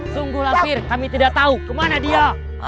sungguh lah fir kami tidak tahu kemana dia